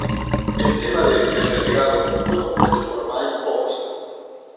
El tema de El Renegado fue compuesto por Mike Post.